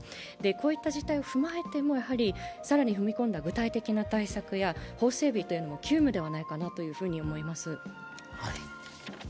こういった事態を踏まえても、更に踏み込んだ具体的な対策や法整備も急務ではないかなと思います。